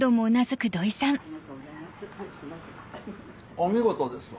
お見事ですわ！